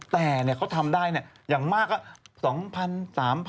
แต่เขาทำได้อย่างมากสิฮะ